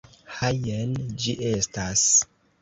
Ha, jen ĝi estas.